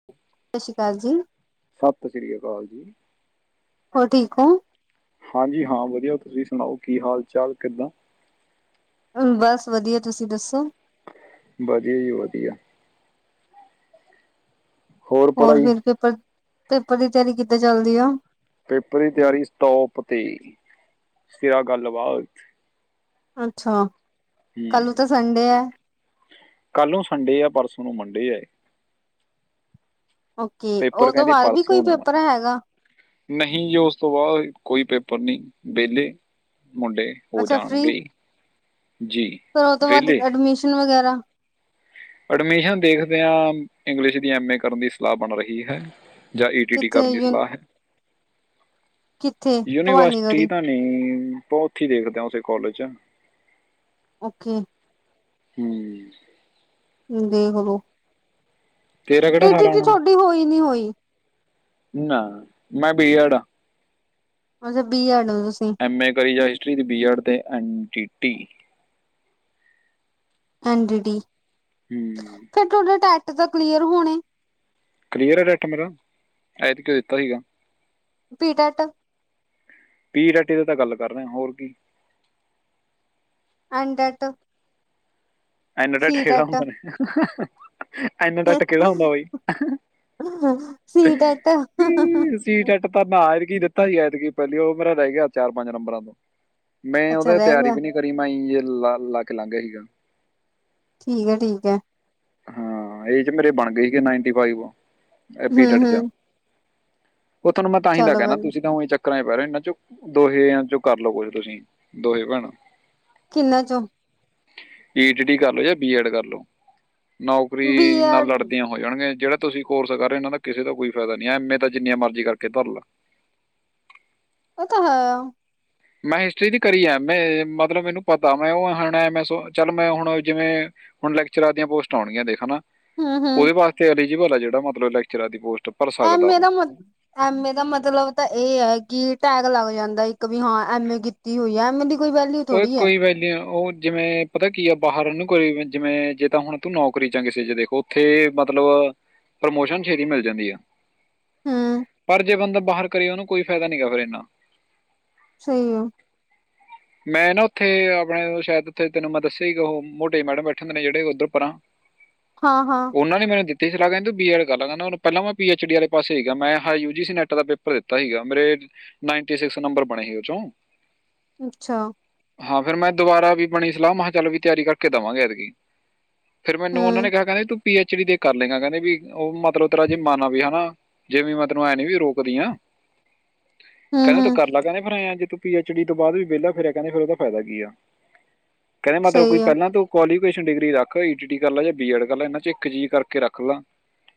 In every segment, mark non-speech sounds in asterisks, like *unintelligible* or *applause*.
*inaudible* ਸ ਸੀ਼ ਕਾਲ ਜੀ। ਸਤ ਸ਼੍ਰੀ ਅਕਾਲ ਜੀ। ਹੋਰ, ਠੀਕ ਔ? ਹਾਂਜੀ ਹਾਂ, ਵਧੀਆ। ਤੁਸੀਂ ਸੁਣਾਓ, ਕੀ ਹਾਲ-ਚਾਲ, ਕਿੱਦਾਂ? ਬਸ ਵਧੀਆ, ਤੁਸੀਂ ਦੱਸੋ? ਬਧੀਆ ਜੀ ਵਧੀਆ। ਹੋਰ ਫਿਰ ਪੇਪਰ, ਪੇਪਰ ਦੀ ਤਿਆਰੀ ਕਿੱਦਾਂ ਚੱਲਦੀ ਆ? ਪੇਪਰ ਦੀ ਤਿਆਰੀ ਸਟੋਪ ਤੀ, ਕਿਆ ਗੱਲ-ਬਾਤ ਅੱਛਾ, ਕਾਂਲੂੰ ਤਾਂ ਸੰਡੇ ਐ। ਕਾਂਲੂੰ ਸੰਡੇ ਪਰਸੋਂ ਨੂੰ ਮੰਡੇ ਐ। ਓਕੇ, ਪੇਪਰ ਓ ਤੋਂ ਕਹਿੰਦੇ ਬਾਦ ਵੀ ਪਰਸੋਂ ਕੋਈ ਨੂੰ ਆ ਪੇਪਰ ਹੈਗਾ। ਨਹੀਂ ਜੀ ਓਸ ਤੋਂ ਬਾਦ ਕੋਈ ਪੇਪਰ ਨੀ ਵੇਲੇ ਮੁੰਡੇ। ਹੋ ਅੱਛਾ ਫ੍ਰਰੀ ਜਾਣਗੇ ਜੀ ਵੇਲੇ। ਅਡਮਿਸ਼ਨ ਵਗੈਰਾ ਅਡਮਿਸ਼ਨ ਦੇਖਦੇ ਆਂ ਇੰਗਲਿਸ਼ ਦੀ ਐਮ ਏ ਕਰਨ ਦੀ ਸਲਾਹ ਬਨ ਰਹੀ ਹੈ। ਜਾਂ ਈ ਟੀ ਟੀ ਕਿੱਥੇ ਕਰਨ ਦੀ ਯੂ ਸਲਾਅ ਹੈ। ਕਿੱਥੇ ਭਵਾਨੀ ਯੂਨੀਵਰਸਿਟੀ ਗੜੀ ਤਾਂ ਨੀ ਓਥੀ ਦੇਖਦੇ ਆ ਓਸੇ ਕੋਲਜ ਚ। ਓਕੇ। ਹੂੰ। ਹੁਨ ਦੇਖਲੋ। ਤੇਰਾ ਕੇੜਾ ਖਾਲਾ ਔਣੈ, ਤੁਹਾਡੀ ਹੋਈ ਨੀ ਹੋਈ ਨਾ ਮੈਂ ਬੀ ਐਡ ਆ। ਅੱਛਾ ਬੀ ਐਡ ਓ ਤੁਸੀਂ। ਐੱਮ ਏ ਕਰੀ ਜਾ ਹਿਸਟਰੀ ਦੀ ਬੀ ਐਡ ਤੇ N D T. N D T, ਹੂੰ ਫੇਰ ਥੋਡੇ ਟੈਟ ਤਾਂ ਕਲੀਅਰ ਹੋਨੇ। ਕਲੀਅਰ ਐ ਟੈਟ ਮੇਰਾ, ਐਤਕੀ ਦਿੱਤਾ ਸੀਗਾ। ਪੀ ਟੈਟ। ਪੀ ਟੈੱਟ ਦੀ ਤਾਂ ਗੱਲ ਕਰ ਰਿਆ ਹੋਰ ਕੀ। ਐਨ ਟੈੱਟ ਐਨ ਟੈੱਟ ਕੇੜਾ ਹੁੰਦਾ ਟੈਟ ਏ। ਐਨ ਟੈਟ ਕੇੜਾ ਹੁੰਦਾ ਬਾਈ, *unintelligible* ਸੀ ਟੈਟ ਸੀ ਟੈੱਟ ਤਾਂ ਨਾ ਐਤਕੀ ਦਿੱਤਾ ਨੀ ਐਤਕੀ ਪੈਲੀ ਓ ਮੇਰਾ ਰੈ ਗੇਆ ਚਾਰ ਪੰਜ ਨੰਬਰਾਂ ਤੋਂ। ਮੈਂ ਅੱਛਾ ਓਦਾ ਰਹਿ ਤਿਆਰੀ ਗਿਆ ਵੀ ਨੀ ਕਰੀ, ਮੈਂ ਅਈਂ ਜੇ ਲਾ ਲਾਕੇ ਲਾਂਗਿਆ ਸੀਗਾ। ਠੀਕ ਐ-ਠੀਕ ਐ। ਹਾਂ, ਏ ਚ ਮੇਰੇ ਬਨ ਗਏ ਸੀਗੇ ਨਾਈਨ ਟੀ ਫਾਈਵ, ਹੂੰ ਪੀ ਟੈੱਟ ਚ। ਹੂੰ ਓ ਥੋਨੂੰ ਮੈਂ ਤਾਂਹੀ ਦਾ ਚਲੋ ਵ ਕੈਨਾ ਤੁਸੀਂ ਤਾਂ ਉਈਂ ਚੱ ਚੱਕਰਾ ਚ ਪੈ ਰਏ ਓਂ ਏਨਾਂ ਚੋ ਦੋਹੇ ਆ ਚੋਂ ਕਰ ਲੋ ਕੁੱਛ ਤੁਸੀਂ, ਦੋਹੇ ਭੈਨਾਂ। ਕਿੰਨਾ ਚੋਂ ਟੀ ਡੀ ਕਰ ਲੋ ਜਾਂ ਬੀਐਡ ਕਰਲੋ, ਬੀ ਨੌਕਰੀ ਨਾਲ ਐਡ ਲੜਦੇਆਂ ਹੋ ਜਾਨਗੀਆਂ ਜੇੜਾ ਤੁਸੀਂ ਕੋਰਸ ਕਰ ਰਏ ਓਂ ਏਨਾਂ ਦਾ ਕਿਸੇ ਦਾ ਕੋਈ ਫੈਦਾ ਨੀ ਐਮੈ ਤਾਂ ਜਿੰਨੀਆਂ ਮਰਜ਼ੀ ਕਰਕੇ ਧਰਲੈ। ਓ ਤਾਂ ਹੈ ਆ। ਮੈਂ ਹਿਸਟਰੀ ਦੀ ਕਰੀ ਆ ਐਮੇ ਮਤਲਬ ਮੈਨੂੰ ਪਤਾ ਮੈਂ ਓ ਹੁਨ ਮੈਂ ਸੋ ਚੱਲ ਮੈਂ ਹੁਨ ਜਿਵੇਂ ਹੁਨ ਲੈਕਚਰਾਰ ਦੀਆਂ ਪੋਸਟਾਂ ਔਣਗੀਆਂ ਦੇਖ ਹਨਾ, ਹੂੰ ਹੂੰ ਓਦੇ ਵਾਸਤੇ ਐਲੀਜੀਬਲ ਆ ਜੇੜਾ ਮਤਲਬ ਲੈਕਚਰਾਰ ਦੀ ਪੋਸਟ ਭਰ ਸਕਦਾ ਉਹ ਐਮੇ ਦਾ ਮਤ ਐਮੇ ਦਾ ਮਤਲਬ ਤਾਂ ਏ ਐ ਕਿ ਟੈਗ ਲੱਗ ਜਾਂਦਾ ਇੱਕ ਵੀ ਹਾਂ ਐਮੇ ਕੀਤੀ ਹੋਈ ਆ, ਐਮੇ ਓ ਕੋਈ ਵੈ ਓ ਜਿਵੇਂ ਪਤਾ ਕੀ ਆ ਬਾਹਰ ਓਨੂੰ ਕੋਈ ਜਿਵੇਂ ਜੇ ਤਾਂ ਹੁਨ ਤੂੰ ਨੌਕਰੀ ਚ ਕਿਸੇ ਚ ਦੇਖੋ ਓਥੇ ਮਤਲਬ ਪ੍ਰਮੋਸ਼ਨ ਛੇਤੀ ਮਿਲ ਜਾਂਦੀ ਆ। ਹੂੰ ਪਰ ਜੇ ਬੰਦਾ ਬਾਹਰ ਕਰੇ ਓਨੂੰ ਕੋਈ ਫ਼ੈਦਾ ਨੀ ਹੈਗਾ ਫੇਰ ਏਨਾ। ਸਈ ਆ। ਮੈਂ ਨਾ ਓਥੇ ਆਪਨੇ ਸ਼ੈਦ ਓਥੇ ਤੈਨੂੰ ਮੈਂ ਦੱਸੇਆ ਸੀ ਕੇ ਓ ਮੋਟੇ ਮੈਡਮ ਬੈਠੇ ਹੁੰਦੇ ਨੇ ਜੇੜੇ ਓਦਰ ਪਰਾਂ। *inaudible* ਹਾਂ-ਹਾਂ। ਉਹਨਾਂ ਨੇ ਮੈਨੂੰ ਦਿੱਤੀ ਸਲਾਹ ਕਹਿੰਦੇ ਬੀ ਐਡ ਕਰ ਲੈ ਪਹਿਲਾਂ ਮੈਂ ਪੀ ਐਚ ਡੀ ਆਲੇ ਪਾਸੇ ਸੀਗਾ, ਮੈਂ ਹਾਈ ਯੂ ਜੀ ਸੀ ਨੈਟ ਦਾ ਪ ਪੇਪਰ ਦਿੱਤਾ ਹੀਗਾ, ਮੇਰੇ ਨਾਈਨਟੀ ਸਿਕਸ ਨੰਬਰ ਬਣੇ ਸੀ ਉਹ 'ਚੋਂ। ਅੱਛਾ। ਹਾਂ ਅਗਰ ਮੈਂ ਦੁਬਾਰਾ ਵੀ ਬਣੀ ਸਲਾਹ, ਮੈਂ ਕਿਹਾ ਚੱਲ ਵੀ ਤਿਆਰੀ ਕਰਕੇ ਦੇਵਾਂਗੇ ਐਦਕੀ। ਫੇਰ ਮੈਨੂੰ ਉਹਨਾਂ ਹੂੰ ਨੇ ਕਿਹਾ ਕਹਿੰਦੇ ਤੂੰ ਪੀ ਐਚ ਡੀ ਦੇ ਕਰ ਲਾਂਗਾ ਕਹਿੰਦੇ ਵੀ, ਉਹ ਮਤਲਬ ਤੇਰਾ ਜੇ ਮਨ ਹੋਵੇ ਵੀ ਹਨਾ। ਜਿਵੇਂ ਮੈਂ ਤੈਨੂੰ ਐਂ ਨੀ ਵੀ ਰੋਕਦੀ ਆ। ਹੂੰ ਕਹਿੰਦੇ ਤੂੰ ਹੂੰ ਕਰ ਲਾ, ਕਹਿੰਦੇ ਫਿਰ ਐ ਜੇ ਤੂੰ ਪੀ ਐਚ ਡੀ ਤੋਂ ਬਾਅਦ ਵੀ ਵਿਹਲਾ ਫਿਰ ਇਹ ਕਹਿੰਦੇ ਫੇਰ ਉਹਦਾ ਫਾਇਦਾ ਕੀ ਆ, ਕਹਿੰਦੇ ਮਤਲਬ ਕੋਈ ਸਹੀ ਆ ਪਹਿਲਾਂ ਤੋਂ ਕੁਆਲੀਫਿਕੇਸ਼ਨ ਡਿਗਰੀ ਰੱਖ, ਈ ਟੀ ਟੀ ਕਰ ਲੈ ਜਾਂ ਬੀ ਐਡ ਕਰ ਲੈ, ਇਹਨਾਂ 'ਚੋ ਇੱਕ ਚੀਜ਼ ਕਰਕੇ ਰੱਖ ਲੈ।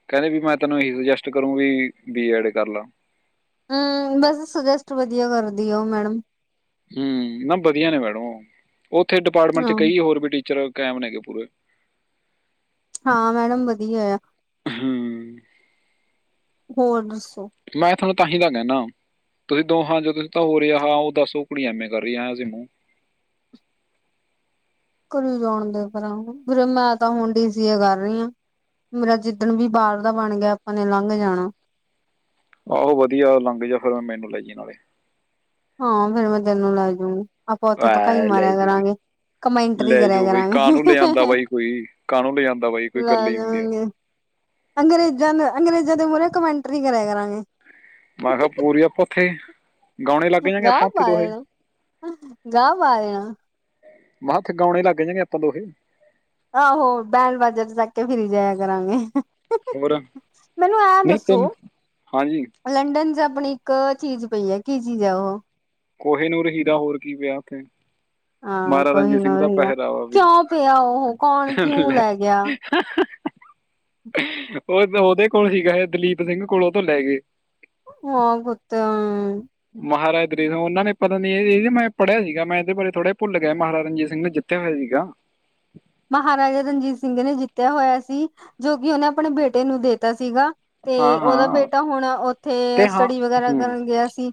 ਕਹਿੰਦੇ ਵੀ ਮੈਂ ਤੈਨੂੰ ਇਹੀ ਸੁਜੈਸਟ ਕਰੂ ਵੀ ਬੀ ਏਡ ਕਰ ਲੈ। ਹੂੰ, ਵੈਸੇ ਸੁਜੈਸਟ ਵਧੀਆ ਕਰਦੀ ਆ ਉਹ ਮੈਡਮ। ਹੂੰ, ਨਾ ਵਧੀਆ ਨੇ ਮੈਡਮ ਉਹ, ਉੱਥੇ ਡਿਪਾਰਟਮੈਂਟ 'ਚ ਹਾਂ ਕਈ ਹੋਰ ਵੀ ਟੀਚਰ ਕੈਮ ਨੇ ਹੈਗੇ ਪੂਰੇ। ਹਾਂ ਮੈਡਮ ਵਧੀਆ ਆ। ਹੂੰ। ਹੋਰ ਦੱਸੋਂ? ਮੈਂ ਤੁਹਾਨੂੰ ਤਾਂਹੀ ਤਾਂ ਕਹਿਨਾ। ਤੁਸੀਂ ਦੋਹਾ 'ਚੋ, ਤੁਸੀਂ ਤਾਂ ਹੋ ਰਿਹਾ ਉਹ ਦੱਸ ਕੁੜੀ ਐਮ ਏ ਕਰ ਰਾਹੀ ਐ, ਸਿਮੂ। ਕਰੀ ਜਾਣ ਦੇ ਪਰਾ, ਵੀਰੇ ਮੈਂ ਤਾਂ ਹੁਣ ਡੀ ਸੀਏ ਕਰ ਰਹੀ ਆ। ਮੇਰਾ ਜਿੱਦਣ ਵੀ ਬਾਹਰ ਦਾ ਬਣ ਗਿਆ, ਆਪਾਂ ਨੇ ਲੰਘ ਜਾਣਾ। ਆਹੋ ਵਧੀਆ ਲੰਘ ਜਾਵੇ ਫਿਰ, ਮੈਨੂੰ ਲੈ ਜੀ ਨਾਲੇ। ਹਾਂ ਫੇਰ ਮੈਂ ਤੈਨੂੰ ਲੈ ਜਊ, ਆਪਾਂ ਉੱਥੇ ਪਕਾਈ ਐ ਲੈ ਮਾਰਿਆ ਜੂਗੀ ਕਰਾਂਗੇ। ਕਮੈਂਟਰੀ ਲੈ ਕਰਿਆ ਜੋ ਬਈ ਕਰਾਂਗੇ, ਕਾਹਨੂੰ ਲੈ ਜਾਂਦਾ ਬਾਈ ਕੋਈ ਕਾਹਨੂੰ ਲੈ ਜਾਂਦਾ ਬਾਈ ਕੋਈ ਲੈ ਗੱਲ ਹੀ ਹੁੰਦੀ ਆ ਜਾਂਗੇ। ਅੰਗਰੇਜ਼ਾਂ ਦੇ ਅੰਗਰੇਜ਼ਾਂ ਦੇ ਮੂਹਰੇ ਕਮੈਂਟਰੀ ਕਰਿਆ ਕਰਾਂਗੇ। ਮੈਂ ਕਿਆ ਪੂਰੀਆਂ ਪੱਖੇ। ਨਾ ਪਾਇਆ, ਗਾ ਪਾਇਆ ਮੈਂਥ ਖਗਾਉਣੇ ਲੱਗ ਜਾਣਗੇ ਆਪਾਂ ਦੋਹੇ ਆਹੋ ਬੈਂਠ ਵਾਜੇ 'ਚ ਚਕ ਕੇ ਫਿਰੀ ਜਾਇਆ ਕਰਾਗੇ ਹੋਰ, ਨਹੀਂ ਤਿੰਨ, ਹਾਂਜੀ ਲੰਡਨ 'ਚ ਆਪਣੀ ਇੱਕ ਚੀਜ਼ ਪਈ ਹੈ, ਕੀ ਚੀਜ਼ ਹੈ ਉਹ ਕੋਹੀ ਨੂਰ ਹੀਰਾ ਹੋਰ ਕੀ ਪਿਆ ਉਥੇ ਹਾਂ ਮਹਾਰਾਜਾ ਕੋਈ ਰਣਜੀਤ ਨਾ ਸਿੰਘ ਦਾ ਹੀਰਾ ਪਹਿਰਾਵਾ ਵੀ ਕਿਉਂ ਪਿਆ ਉਹ ਕੌਣ ਹਹ ਕਿਉਂ ਲੈ ਗਿਆ *inaudible* ਉਹ ਉਹਦੇ ਕੋਲ ਗਏ ਦਲੀਪ ਸਿੰਘ ਕੋਲ ਉਹ ਤੋਂ ਲੈ ਗਏ ਹਮ ਪਤਾ ਮਹਾਰਾਜ ਤੇ ਉਹਨਾਂ ਨੇ ਪਤਾ ਨਹੀਂ ਇਹ ਮੈਂ ਪੜ੍ਹਿਆ ਸੀਗਾ ਮੈਂ ਇਹਦੇ ਬਾਰੇ ਥੋੜਾ ਭੁੱਲ ਗਿਆ ਮਹਾਰਾਜਾ ਰਣਜੀਤ ਸਿੰਘ ਨੇ ਜਿੱਤਿਆ ਹੋਇਆ ਸੀਗਾ ਮਹਾਰਾਜਾ ਰਣਜੀਤ ਸਿੰਘ ਨੇ ਜਿੱਤਿਆ ਹੋਇਆ ਸੀ ਜੋ ਕਿ ਉਹਨੇ ਆਪਣੇ ਬੇਟੇ ਨੂੰ ਦੇਤਾ ਸੀਗਾ ਤੇ ਹਾਂ ਉਹਦਾ ਹਾਂ ਬੇਟਾ ਹੁਣ ਤੇ ਉੱਥੇ ਹਾਂ ਸਟੱਡੀ ਵਗੈਰਾ ਕਰਨ ਗਿਆ ਸੀ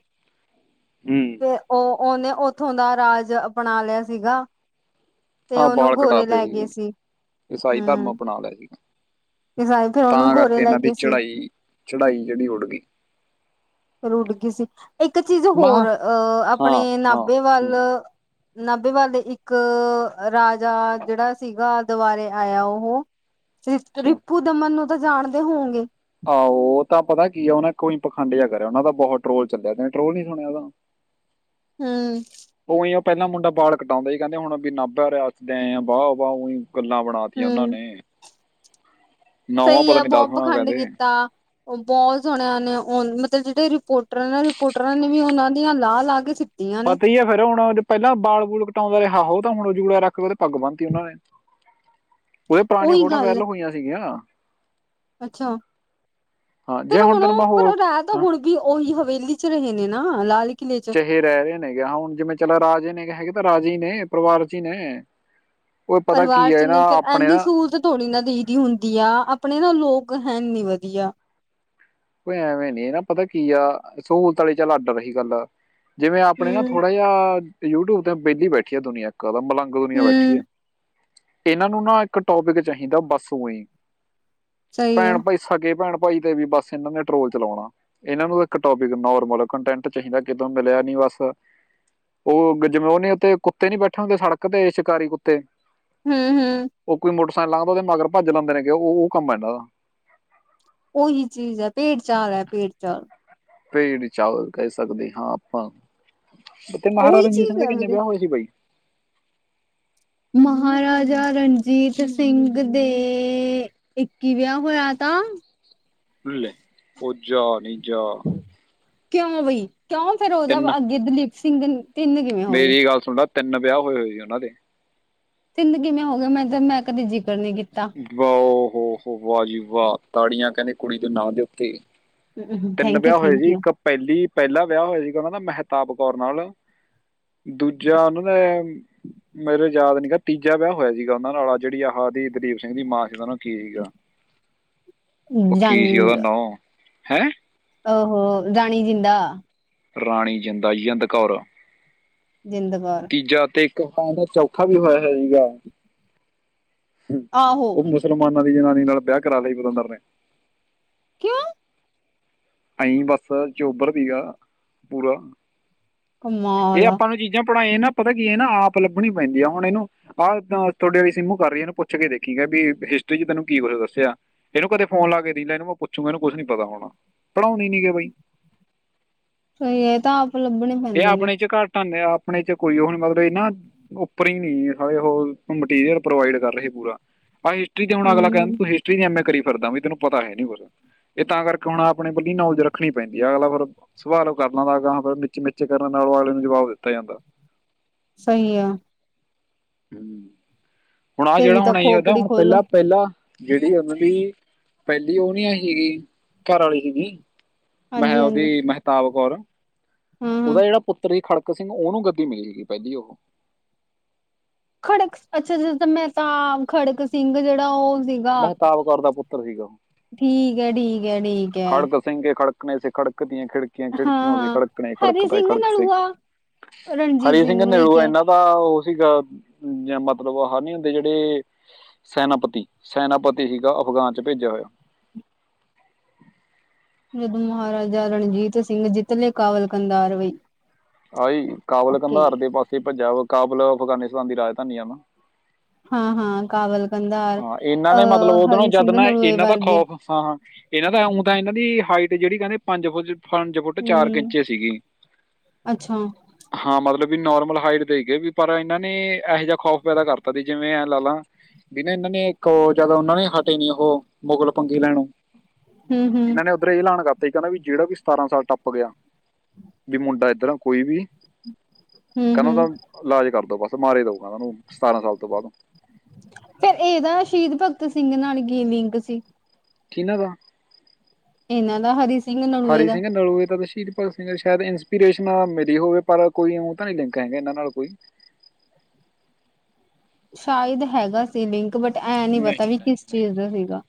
ਹਮ ਓ ਓਹਨੇ ਉਥੋਂ ਦਾ ਰਾਜ ਅਪਣਾ ਲਿਆ ਸੀਗਾ, ਤੇ ਆਹ ਉਹਨੂੰ ਬਾਲ ਗੋਰੇ ਕਟਾਤੇ ਲੈ ਗਏ ਲੈ ਗਏ ਸੀ ਹਮ ਹਾਂ ਲੈ ਗਏ ਤੇ ਸਾਰੇ ਫਿਰ ਉਹਨੂੰ ਤਾਂ ਗੋਰੇ ਕਰਕੇ ਲੈ ਇਹਨਾਂ ਦੀ ਗਏ ਸੀ ਚੜਾਈ, ਚੜਾਈ ਜਿਹੜੀ ਉੱਡਦੀ ਫਿਰ ਉੱਡ ਗਈ ਸੀ, ਇੱਕ ਚੀਜ਼ ਹੋਰ ਅਹ ਕਿਹਾ ਹਾਂ ਆਪਣੇ ਹਾਂ ਨਾਭੇ ਵੱਲ ਹਮ, ਨਾਭੇ ਵਾਲੇ ਇੱਕ ਰਾਜਾ ਜੇੜਾ ਸੀਗਾ ਦਵਾਰੇ ਆਇਆ ਉਹ ਰਿ ਅੱਛਾ ਰਿਪੂ ਦਮਨ ਨੂੰ ਤਾਂ ਜਾਣਦੇ ਹੋੋਂਗੇ। ਆਹੋ ਤਾਂ ਪਤਾ ਕੀ ਆ ਓ ਨੇ ਕੋਈ ਪਖੰਡ ਜਿਹਾ ਕਰਿਆ ਉਹਨਾ ਦਾ ਬਹੁਤ ਟਰੋਲ ਚੱਲਿਆ ਤੇੇ ਟਰੋਲ ਨੀ ਸੁਣਿਆ ਉਹਦਾ ਹੂੰ ਉਹੀ ਓ ਪੈਲਾਂ ਮੁੰਡਾ ਬਾਲ ਕਟਾਉਂਦਾ ਹੀ ਕੈਂਦੇ ਹੁਣ ਨਾਭਾ ਰਿਆਸਤ ਤੈ ਵਾਹ-ਵਾਹ ਈ। ਗੱਲਾਂ ਬਣਾਂਤੀਆਂ ਉਹਨਾਂ ਹੂੰ ਨੇ ਨੌਵਾਂ ਸਈ ਪਤਾ ਹੈ ਨਹੀਂ ਬੋਹ ਦਸਵਾਂ ਖੰਡ ਕਹਿੰਦੇ ਕੀਤਾ। ਓ ਬੋਤ ਸੋਹਣਿਆ ਨੇ ਓ ਮਤਲਬ ਜੇੜੇ ਰਿਪੋਰਟਰਾਂ-ਰਿਪੋਰਟਰਾਂ ਨੇ ਵੀ ਉਹਨਾਂ ਦੀਆਂ ਲਾਹ ਲਾ ਕੇ ਸਿੱਟੀਆਂ ਨੇ ਪਤਾ ਹੀ ਆ ਫਿਰ ਹੁਣ ਜੇ ਪੈਲਾਂ ਬਾਲ ਬੂਲ ਕਟਾਂਦਾ ਰਿਆ ੳਹਤਾਂ ਹੁਣ ਜੂੜਾ ਰੱਖ ਕੇ ਤੇ ਪੱਗ ਬਣਤੀ ਉਹਨਾਂ ਨੇ ਉਹਦੀਆਂ ਪੁਰਾਣੀਆਂ ਉਹੀ ਫੋਟੋ ਗੱਲ ਵਾਇਰਲ ਹੋਈਆਂ ਸੀਗੀਆਂ। ਅੱਛਾ ਹਾਂ ਜੇ ਫਿਰ ਹੁਣ ਓ ਤੈਨੂੰ ਮੈਂ ਪਰ ਹੋਰ ਰਾ ਤਾਂ ਹੁਣ ਵੀ ਉਹੀ ਹਵੇਲੀ 'ਚ ਰਏ ਨੇ ਨਾ ਲਾਲ ਕਿਲੇ 'ਚ ਇਹ ਰਹਿ ਰਏ ਨੇਗੇ ਅ ਹੁਣ ਜਿਵੇਂ ਚਲਾ ਰਾਜੇ ਨੇਗੇ ਹੈਗੇ ਤਾਂ ਰਾਜੇ ਈ ਨੇ ਪਰਿਵਾਰ 'ਚ ਈ ਨੇ। ਓ ਪਤਾ ਕੀ ਐ ਇਹ ਨਾ ਆਪਣੇ ਨਾ ਧੋਨੀ ਨਾ ਦਈ ਹੁੰਦੀ ਆ ਆਪਣੇ ਨਾ ਲੋਕ ਹੈ ਨੀ ਵਧੀਆ ਕੋਈ ਐਵੇਂ ਨੀ ਨਾ ਪਤਾ ਕੀ ਆ ਸਹੂਲਤਾਂ ਆਲੀ ਚੱਲ ਅੱਡ ਰਈ ਗੱਲ ਜਿਵੇਂ ਆਪਣੇ ਨਾ ਹੂੰ ਥੋੜਾ ਜ ਆ ਯੂਟਿਊਬ ਤੇ ਵਿਹਲੀ ਬੈਠੀ ਦੁਨੀਆਂ ਇੱਕ ਮਲੰਗ ਦੁਨੀਆਂ ਬੈਠੀ ਹੂੰ ਆ। ਇਹਨਾਂ ਨੂੰ ਨਾ ਇੱਕ ਟੋਪਿਕ ਚਾਹੀਦਾ ਬਸ ਉਹੀ ਹੀ ਸਹੀ ਭੈਣ ਆ ਭਾਈ ਸਕੇ ਭੈਣ ਭਾਈ ਤੇ ਵੀ ਬਸ ਇਹਨਾਂ ਨੇ ਟਰੋਲ ਚਲਾਉਣਾ। ਇਹਨਾਂ ਨੂੰ ਇੱਕ ਟੋਪਿਕ ਨੋਰਮਲ ਕੰਟੈਂਟ ਚਾਹੀਦਾ ਕਿਤੋ ਮਿਲਿਆ ਨੀ ਬਸ ਓ ਗਜਨੂੰ ਨ ਉਤੇ ਕੁੱਤੇ ਨੀ ਬੈਠੇ ਹੁੰਦੇ ਸੜਕ ਤੇ ਸ਼ਿਕਾਰੀ ਕੁੱਤੇ ਹੂੰ-ਹੂੰ ਓ ਕੋਈ ਮੋਟਰਸਾਈਕਲ ਲਘਦਾ ਮਗਰ ਭੱਜ ਲੈਂਦੇ ਨੇ ਓ-ਓ ਕੰਮ ਆ ਏਨਾ ਦਾ ਉਹੀ ਚੀਜ਼ ਹੈ ਭੇਡ ਚਾਲ ਐ ਭੇਡ ਚਾਲ ਭੇਡ ਚਾਲ ਕਹਿ ਸਕਦੇ ਹਾਂ ਆਪਾਂ ਤੇ ਮਹਾਰਾਜਾ ਰਣਜੀਤ ਸਿੰਘ ਦੇ ਕਿੰਨੇ ਵਿਆਹ ਹੋਏ ਸੀ ਬਈ ਮਹਾਰਾਜਾ ਰਣਜੀਤ ਸਿੰਘ ਦੇ ਇੱਕ ਈ ਵਿਆਹ ਹੋਇਆ ਤਾਂ ਲੈ ਓ ਜਾ ਨੀ ਜਾ ਕਿਉਂ ਬਈ ਕਿਉਂ ਫਿਰ ਉਹਦਾ ਤਿੰਨ ਅੱਗੇ ਦਲੀਪ ਸਿੰਘ ਤਿੰਨ ਕਿਵੇਂ ਹੋ ਗਏ ਮੇਰੀ ਗੱਲ ਸੁਣ ਲੈ ਤਿੰਨ ਵਿਆਹ ਹੋਏ-ਹੋਏ ਈ ਉਹਨਾਂ ਦੇ ਤਿੰਨ ਕਿਵੇਂ ਹੋ ਗਏ ਮੈਂ-ਮੈਂ ਕਦੇ ਜਿਕਰ ਨੀ ਕੀਤਾ। ਵਾਹੋ ਹੋ-ਹੋ ਵਾਹ ਜੀ ਵਾਹ ਤਾੜੀਆਂ ਕੈਣੇ ਕੁੜੀ ਦੇ ਨਾਂ ਦੇ ਉੱਤੇ ਤਿੰਨ ਥੈਂਕ ਯੂ ਵਿਆਹ ਹੋਏ ਥੈਂਕ ਹੀ ਯੂ ਇੱਕ ਪੈਲੀ ਪੈਲਾ ਵਿਆਹ ਹੋਇਆ ਹੀ ਉਹਨਾਂ ਦਾ ਮਹਿਤਾਬ ਕੌਰ ਨਾਲ ਦੂਜਾ ਉਹਨਾਂ ਨੇ ਮੇਰੇ ਯਾਦ ਨੀ ਹੈਗਾ ਤੀਜਾ ਵਿਆਹ ਹੋਇਆ ਸੀਗਾ ਉਹਨਾਂ ਨਾਲ ਜੇੜੀ ਆਹ ਦਲੀਪ ਸਿੰਘ ਦੀ ਮਾਂ ਸੀ ਉਹ ਨਾਲ ਕੀ ਸੀਗਾ ਓ ਕੀ ਸੀ ਉਹਦਾ ਨਾਂਉ ਹੈਂ। ਓ ਹੋ ਰਾਣੀ ਜਿੰਦਾ ਰਾਣੀ ਜਿੰਦਾ ਜਿੰਦ ਕੌਰ। ਜਿੰਦ ਕੌਰ। ਤੀਜਾ ਤੇ ਇੱਕ ਖਾਣ *unintelligible* ਦਾ ਚੌਥਾ ਵੀ ਹੋਇਆ ਹੋਏਗਾ। ਆਹੋ ਓ ਮੁਸਲਮਾਨਾਂ ਦੀ ਜਨਾਨੀ ਨਾਲ ਵਿਆਹ ਕਰਾ ਲਿਆ ਪਤੰਦਰ ਨੇ ਕਿਉਂ ਅਈਂ ਬਸ ਚੋਬਰ ਸੀਗਾ ਪੂਰਾ ਇਹ ਕਮਾਲ ਆ ਆਪਾਂ ਨੂੰ ਚੀਜ਼ਾਂ ਪੜ੍ਹਾਈਆਂ ਨਾ ਪਤਾ ਕੀ ਹੈ ਇਹ ਨਾ ਆਪ ਲੱਭਣੀ ਪੈਂਦੀ ਆ ਹੁਣ ਇਹਨੂੰ ਆਹ ਤੁਹਾਡੇ ਵਾਲੀ ਸਿੰਮੂ ਕਰ ਰਈ ਇਹਨੂੰ ਪੁੱਛ ਕੇ ਦੇਖੀ ਕਹਿ ਵੀ ਹਿਸਟਰੀ 'ਚ ਤੈਨੂੰ ਕੀ ਕੁੱਛ ਦੱਸਿਆ। ਇਹਨੂੰ ਕਦੇ ਫੋਨ ਲਾ ਕੇ ਦੇਈ ਲੈ, ਇਹਨੂੰ ਮੈਂ ਪੁੱਛੂਗਾ ਇਹਨੂੰ ਕੁਛ ਨੀ ਪਤਾ ਹੋਣਾ। ਪੜ੍ਹਾਉਂਦੇ ਨੀ ਗਏ ਬਾਈ, ਸਹੀ ਹੈ ਇਹ ਤਾਂ ਆਪ ਲੱਭਣੇ ਇਹ ਪੈਂਦੇ ਨੇ ਆਪਣੇ ਚ ਘੱਟ ਆਉਂਦੇ ਨੇ, ਆਪਣੇ 'ਚ ਕੋਈ ਹੁਣ ਮਤਲਬ ਇਹ ਨਾ ਉੱਪਰੋ ਹੀ ਨਹੀਂ, ਹਾਲੇ ਉਹ ਮਟੀਰੀਅਲ ਪ੍ਰੋਵਾਈਡ ਕਰਨ ਗੇ ਪੂਰਾ, ਅਸੀਂ ਹਿਸਟਰੀ 'ਚ ਹੁਣ ਅਗਲਾ ਕਹਿ ਦਿੰਦਾ ਹਮ ਤੂੰ ਹਿਸਟਰੀ ਦੀ ਐਮ ਏ ਕਰ ਫਿਰਦਾ, ਬਈ ਤੈਨੂੰ ਪਤਾ ਹੈ ਨਹੀਂ ਕੁਛ। ਇਹ ਤਾਂ ਕਰਕੇ ਹੁਣ ਆਪਣੇ ਕੋਲੀ ਨੌਲਜ ਰੱਖਣੀ ਪੈਂਦੀ ਹੈ। ਅਗਲਾ ਫਿਰ ਸਵਾਲ ਉਹ ਕਰਨਾ ਲੱਗਦਾ, ਅਗਲਾ ਵਿੱਚੀਂ ਮਿਚੀ ਮਿੱਚੇ ਕਰਨ ਨਾਲੋਂ ਅਗਲੇ ਨੂੰ ਜਵਾਬ ਦਿੱਤਾ ਜਾਂਦਾ। ਸਹੀ ਆ। ਹੂੰ ਹੁਣ ਆਹ ਜਿਹੜਾ ਤੇਰੀ ਤਾਂ ਹੁਣ ਇਹ ਏ, ਇਹਦਾ ਖੋਪੜੀ ਹੁਣ ਖੋਲੋ ਪਹਿਲਾਂ ਪਹਿਲਾਂ ਜਿਹੜੀ ਉਹਨਾਂ ਦੀ, ਪਹਿਲੀ ਉਹ ਨੀ ਸੀਗੀ ਘਰ ਵਾਲੀ ਸੀਗੀ ਮੈਂ ਹਾਂਜੀ ਹਾਂਜੀ ਉਹਦੀ ਮਹਿਤਾਬ ਕੌਰ, ਉਹਦਾ ਹੂੰ-ਹੂੰ ਜਿਹੜਾ ਪੁੱਤਰ ਸੀ। ਖੜਕ ਸਿੰਘ, ਉਹਨੂੰ ਗੱਦੀ ਮਿਲੀ ਸੀਗੀ ਪਹਿਲੀ ਉਹ। ਖੜਕ! ਅੱਛਾ ਜਿਸ ਮੈਂ ਤਾਂ ਖੜਕ ਸਿੰਘ, ਜਿਹੜਾ ਉਹ ਸੀ। ਮਹਿਤਾਬ ਕੌਰ ਦਾ ਪੁੱਤਰ ਸੀਗਾ ੳਹ। ਠੀਕ ਹੈ, ਠੀਕ ਹੈ, ਠੀਕ ਹੈ। ਖੜਕ ਸਿੰਘ ਕੇ ਖੜਕਨੇੇ ਸੇ ਖੜਕ ਦੀਆਂ ਖਿੜਕੀਆਂ, ਖਿੜਕੀਆਂ ਕੇ ਹਾਂ-ਹਾਂ ਖੜਕਨੇ ਖੜਕ ਹਰੀ ਪਏ ਖੜਕ ਸਿੰਘ, ਨਲੂਆ ਰਣਜੀਤ ਹਰੀ ਸਿੰਘ ਨੂੰ ਹੀ ਨਲੂਆ ਕਿਹਾ ਇਨਾ ਦਾ ਉਹ ਸੀਗਾ ਮਤਲਬ, ਆਹਾਂ ਨੀ ਹੁੰਦੇ ਜਿਹੜੇ ਸੈਨਾਪਤੀ, ਸੈਨਾਪਤੀ ਸੀਗਾ ਅਫਗਾਨ 'ਚ ਭੇਜਿਆ ਹੋਇਆ। ਜਦੋਂ ਮਹਾਰਾਜਾ ਰਣਜੀਤ ਸਿੰਘ, ਜਿੱਤਲੇ ਕਾਬਲ ਕੰਦਾਰਵਈ। ਆਹੀ ਕਾਬਲ ਕੰਧਾਰ ਦੇ ਪਾਸੇ ਭੱਜਿਆ ਵਾ, ਕਾਬਲ ਅਫਗਾਨਿਸਤਾਨ ਦੀ ਰਾਜਧਾਨੀ ਆ ਨਾ। ਹਾਂ ਹਾਂ, ਕਾਬਲ। ਹਾਂ ਇਹਨਾਂ ਨੇ ਮਤਲਬ ਉਦੋਂ ਨਾਲ ਜਦ ਨਾ, ਨਲੂਏ ਇਹਨਾਂ ਦਾ ਵਰਗੇ ਖ਼ੌਫ਼ ਹਾਂ ਹਾਂ, ਇਹਨਾਂ ਦਾ ਉਊਂ ਤਾਂ ਇਹਨਾਂ ਦੀ ਹਾਈਟ ਜਿਹੜੀ ਕਹਿੰਦੇ ਪੰਜ ਫੁੱਟ ਪੰਜ ਫੁੱਟ ਚਾਰ ਕ ਹੂੰ ਇੰਚੇ ਸੀਗੀ। ਅੱਛਾ ਹਾਂ ਮਤਲਬ ਵੀ ਨੋਰਮਲ ਹਾਈਟ ਦੇ ਹੀਗੇ ਵੀ, ਪਰ ਇਹਨਾਂ ਨੇ ਇਹੋ ਜਿਹਾ ਖ਼ੌਫ਼ ਪੈਦਾ ਕਰਤਾ ਸੀ ਜਿਵੇਂ ਐਂ ਲਾ ਲਾ ਵੀ ਨਾ ਇਹਨਾਂ ਨੇ ਉਹ ਇੱਕ ਜਿਆਦਾ, ਉਹਨਾਂ ਨੇ ਹਟੇ ਨੀ ਉਹ ਮੁਗਲ ਪੰਗੇ ਲੈਣੋ ਹੂੰ-ਹੂੰ ਇਹਨਾਂ ਨੇ ਫੇਰ ਇਹ ਲਾਨ ਕਰਤੇ ਕਹਿੰਦਾ ਵੀ, ਜਿਹੜਾ ਵੀ ਸਤਾਰਾਂ ਸਾਲ ਟੱਪ ਗਿਆ ਵੀ ਮੁੰਡਾ ਏਧਰ ਕੋਈ ਵੀ, ਕਹਿੰਦਾ ਹੂੰ-ਹੂੰ ਇਹਦਾ ਇਲਾਜ ਕਰਦੋ ਬਸ, ਮਾਰੇ ਦਓ ੳਹਨਾ ਨੂੰ, ਸਤਾਰਾਂ ਸਾਲ ਤੋਂ ਬਾਅਦ। ਫਿਰ ਇਹਦਾ ਸ਼ਹੀਦ ਭਗਤ ਸਿੰਘ ਨਾਲ ਕੀ ਲਿੰਕ ਸੀ? ਕਿੰਨਾ ਦਾ? ਇਹਨਾਂ ਦਾ ਹਰੀ ਸਿੰਘ ਨਲੂਏ ਹਰੀ ਦਾ ਸਿੰਘ ਨਲੋਏ ਦਾ ਤਾਂ ਸ਼ਹੀਦ ਭਗਤ ਸ਼ਾਇਦ ਇੰਸਪੀਰੇਸ਼ਨ ਮਿਲੀ ਹੋਵੇ, ਪਰ ਕੋਈ ਉਹ ਤਾਂ ਨੀ ਲਿੰਕ ਹੈਗਾ ਇਹਨਾਂ ਨਾਲ ਕੋਈ। ਸ਼ਾਇਦ ਹੈਗਾ ਸੀ ਲਿੰਕ, ਬਟ ਐ ਨਹੀਂ ਪਤਾ ਵੀ ਕਿਸ ਚੀਜ਼ ਦਾ ਸੀਗਾ।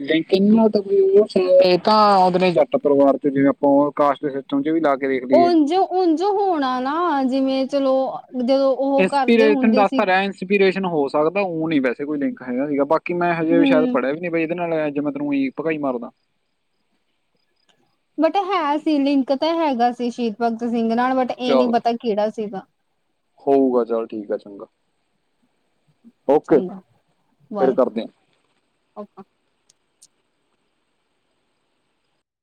ਲੇਕਿਨ ੳਹ ਤਾਂ ਆਉਂਦੇ ਨੇ ਜੱਟ ਪਰਿਵਾਰ 'ਚੋ, ਜਿਵੇਂ- ਆਪਾਂ ੳਹ ਕਾਸਟ 'ਚ ਵੀ ਲਾ ਕੇ ਵ ਦੇਖ ਲਈਏ। ਉਂਝ ਹੋਣਾ ਨਾ ਜਿਵੇਂ- ਚਲੋ, ਜਦੋਂ ਉਹ ਕਰਦੇ ਇੰਸਪੀਰੇਸ਼ਨ ਹੁੰਦੇ ਦੱਸ ਸੀ। ਤਾਂ ਰਿਹਾ ਇੰਸਪੀਰੇਸ਼ਨ ਹੋ ਸਕਦਾ ਉਹ ਨ ਵੈੇ ਕੋਈ ਲਿੰਕ ਹੈਗਾ ਸੀਗਾ, ਬਾਕੀ ਮੈਂ ਹਜੇ ਵੀ ਸ਼ਾਇਦ ਹੂੰ ਪੜਿਆ ਵੀ ਨਹੀਂ ਬ ਇਹਦੇ ਨਾਲ, ਜੇ ਮੈਂ ਤੈਨੂੰ ੳਈ ਪਗਾਈ ਮਾਰਦਾ। ਬਟ ਹੈ ਸੀ ਲਿੰਕ ਤਾਂ ਹੈਗਾ ਸੀ ਸ਼ਹੀਦ ਭਗਤ ਸਿੰਘ ਨਾਲ, ਬਟ ਇਹ ਨੀ ਚਲ ਪਤਾ ਕਿਹੜਾ ਸੀਗਾ। ਹੋਊਗਾ ਚੱਲ ਠੀਕ ਆ, ਚੰਗਾ। ਓਕੇ ਚੰਗਾ, ਬਾ ਫਿਰ ਏ। ਕਰਦੇ ਆ